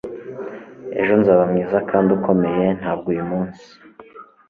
Ejo nzaba mwiza kandi ukomeye ntabwo uyu munsi